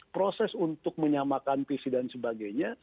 proses untuk menyamakan visi dan sebagainya